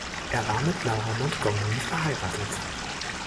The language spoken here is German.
Er war mit Laura Montgomery verheiratet.